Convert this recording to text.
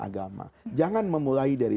agama jangan memulai dari